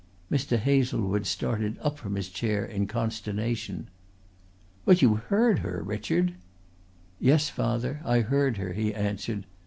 Mr. Hazlewood started up from his chair in consternation. "But you heard her, Richard!" "Yes, father, I heard her," he answered.